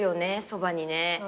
そばにね。